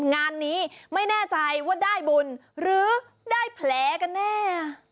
งานนี้ไม่แน่ใจว่าได้บุญหรือได้แผลกันแน่